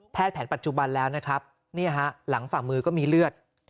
แผนปัจจุบันแล้วนะครับนี่ฮะหลังฝ่ามือก็มีเลือด